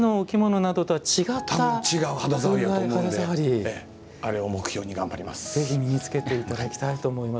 多分違う肌触りやと思うのであれを目標に頑張ります。